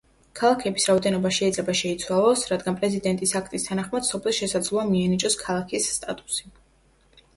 ქალაქების რაოდენობა შეიძლება შეიცვალოს, რადგან პრეზიდენტის აქტის თანახმად სოფელს შესაძლოა მიენიჭოს ქალაქის სტატუსი.